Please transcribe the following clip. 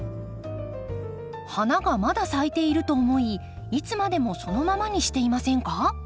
花がまだ咲いていると思いいつまでもそのままにしていませんか？